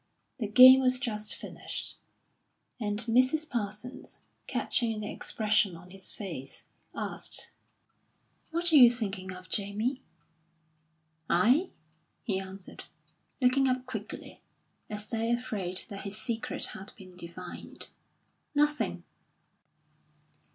The game was just finished, and Mrs. Parsons, catching the expression on his face, asked: "What are you thinking of, Jamie?" "I?" he answered, looking up quickly, as though afraid that his secret had been divined. "Nothing!"